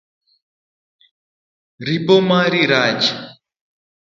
Ripo mari rach